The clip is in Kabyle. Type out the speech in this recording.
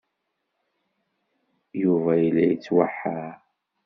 Yuba yella yettwaḥeṛṛ.